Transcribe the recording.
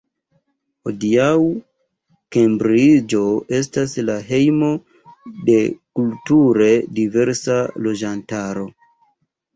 Hodiaŭ, Kembriĝo estas la hejmo de kulture diversa loĝantaro.